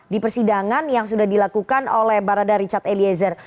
di persidangan yang sudah dilakukan oleh barada richard eliezer